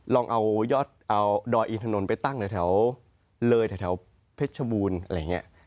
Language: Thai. ลองเอายอดเอาดอยอินถนนไปตั้งแถวเลยแถวเพชรชบูรณ์อะไรอย่างนี้